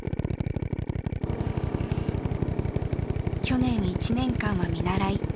去年１年間は見習い。